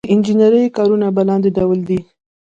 د انجنیری کارونه په لاندې ډول دي.